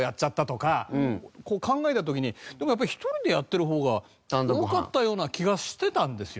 こう考えた時にでもやっぱり１人でやってる方が多かったような気がしてたんですよ。